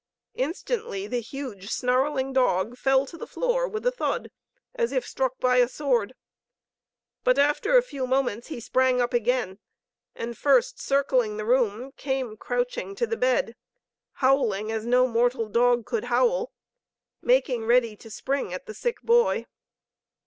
Instantly the huge, snarling dog fell to the floor with a thud as if struck by a sword. But after a few moments he sprang up again, and first circling the room, came crouching to the bed, howling as no mortal dog could howl, making ready to spring at the sick boy.